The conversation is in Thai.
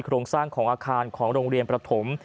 โครงสร้างของอาคารของโรงเรียนประถม